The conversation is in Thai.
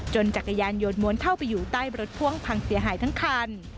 จักรยานยนม้วนเข้าไปอยู่ใต้รถพ่วงพังเสียหายทั้งคัน